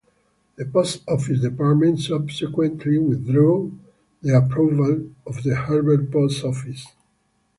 The Post Office department subsequently withdrew the approval of the Herbert post office.